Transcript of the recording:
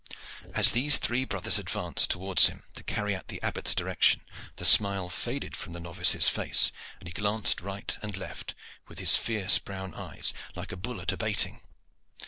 As these three brothers advanced towards him to carry out the Abbot's direction, the smile faded from the novice's face, and he glanced right and left with his fierce brown eyes, like a bull at a baiting.